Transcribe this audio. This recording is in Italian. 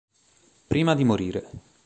Prima di morire.